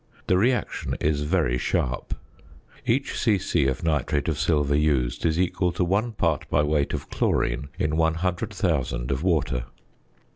The reaction is very sharp. Each c.c. of nitrate of silver used is equal to 1 part by weight of chlorine in 100,000 of water.